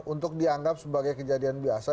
untuk dianggap sebagai kejadian biasa